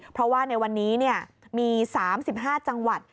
เพราะว่าในวันนี้มี๓๕จังหวัด